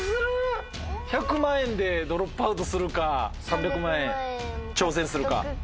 １００万円でドロップアウトするか３００万円挑戦するか。